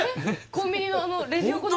コンビニのあのレジ横の？